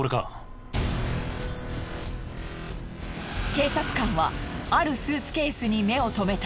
警察官はあるスーツケースに目を留めた。